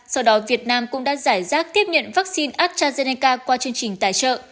sau đó việt nam cũng đã giải rác tiếp nhận vaccine astrazeneca qua chương trình tài trợ